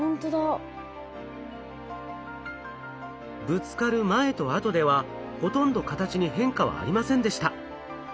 ぶつかる前と後ではほとんど形に変化はありませんでした。